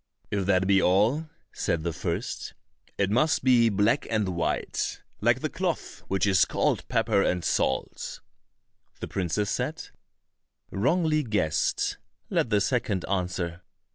"If that be all," said the first, "it must be black and white, like the cloth which is called pepper and salt." The princess said, "Wrongly guessed; let the second answer."